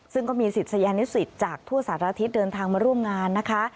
ซึ่งก็มีศิษยานิสิตจากทั่วสารทิศเดินทางมาร่วมงานนะคะ